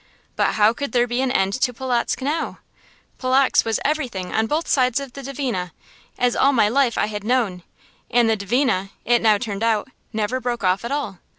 But how could there be an end to Polotzk now? Polotzk was everything on both sides of the Dvina, as all my life I had known; and the Dvina, it now turned out, never broke off at all.